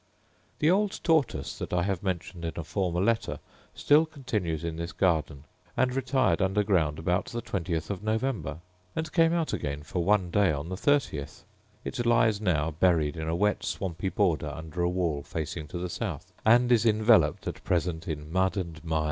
The old tortoise, that I have mentioned in a former letter, still continues in this garden; and retired under ground about the twentieth of November, and came out again for one day on the thirtieth: it lies now buried in a wet swampy border under a wall facing to the south, and is enveloped at present in mud and mire!